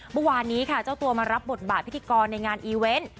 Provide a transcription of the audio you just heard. เมื่อวานนี้ค่ะเจ้าตัวมารับบทบาทพิธีกรในงานอีเวนต์